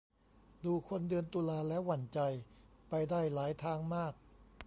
ดูคนเดือนตุลาแล้วหวั่นใจ ไปได้หลายทางมาก